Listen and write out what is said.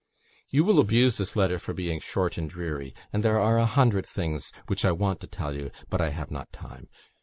"You will abuse this letter for being short and dreary, and there are a hundred things which I want to tell you, but I have not time.